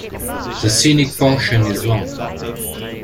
The scenic portion is long.